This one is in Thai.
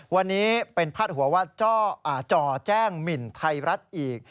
วันนี้เป็นพาดหัวว่าจอแจ้งหมินไทยรัฐอีก